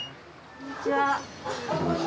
こんにちは。